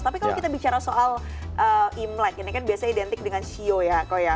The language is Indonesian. tapi kalau kita bicara soal imlek ini kan biasanya identik dengan shio ya